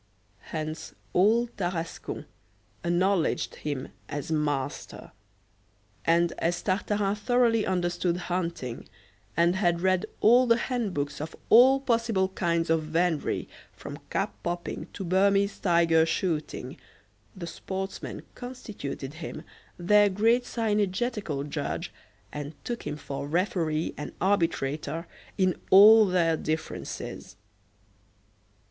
Hence all Tarascon acknowledged him as master; and as Tartarin thoroughly understood hunting, and had read all the handbooks of all possible kinds of venery, from cap popping to Burmese tiger shooting, the sportsmen constituted him their great cynegetical judge, and took him for referee and arbitrator in all their differences.